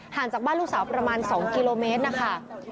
จากบ้านลูกสาวประมาณ๒กิโลเมตรนะคะ